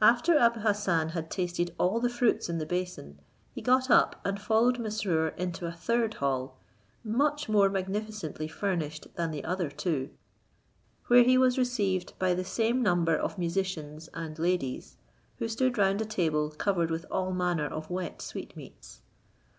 After Abou Hassan had tasted all the fruits in the basin, he got up and followed Mesrour into a third hall, much more magnificently furnished than the other two; where he was received by the same number of musicians and ladies, who stood round a table covered with all manner of wet sweetmeats.